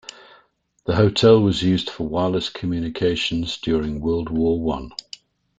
The hotel was used for wireless communications during World War One.